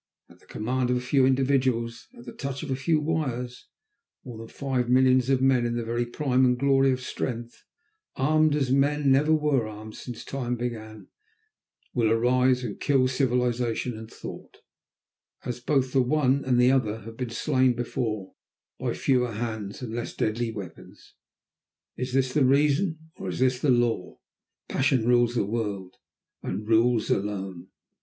At the command of a few individuals, at the touch of a few wires, more than five millions of men in the very prime and glory of strength, armed as men never were armed since time began, will arise and will kill civilisation and thought, as both the one and the other have been slain before by fewer hands and less deadly weapons. Is this reason, or is this law? Passion rules the world, and rules alone.